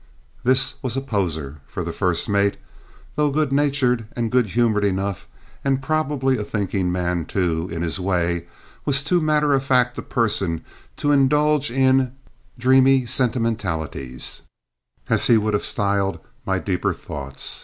This was a poser; for the first mate, though good natured and good humoured enough, and probably a thinking man, too, in his way, was too matter of fact a person to indulge in "dreamy sentimentalities," as he would have styled my deeper thoughts!